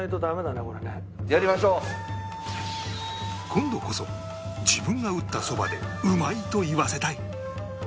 今度こそ自分が打ったそばでうまいと言わせたい！